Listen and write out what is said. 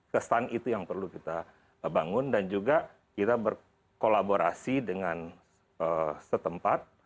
kesan itu yang perlu kita bangun dan juga kita berkolaborasi dengan setempat